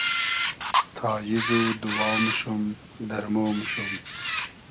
تاییز و دووا موشوم ، دئرمۉ موشوم